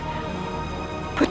kamu akan sehat